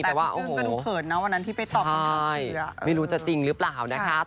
แต่ว่าโอ้โหแป๊บตึกก็ดูเขิดนะวันนั้นที่ไปตอบใช่ไม่รู้จะจริงหรือเปล่านะคะ